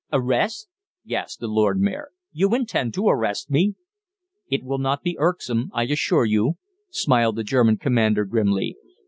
"Arrest!" gasped the Lord Mayor. "You intend to arrest me?" "It will not be irksome, I assure you," smiled the German commander grimly.